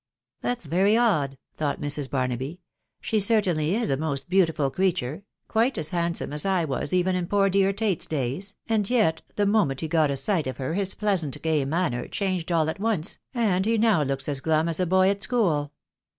" That's very odd," thought Mrs. Barnaby. « She Certaiiily is a most beautiful creature ...• quite as handsome f8 * was even in poor dear Tate's days, and yet the moment e got a sight of her, his pleasant, gay manner, changed all at ce, and he now looks as glum as a boy at school.